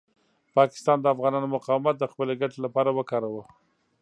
پاکستان د افغانانو مقاومت د خپلې ګټې لپاره وکاروه.